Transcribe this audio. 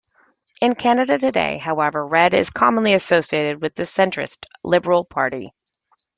In Canada today, however, red is commonly associated with the centrist Liberal Party.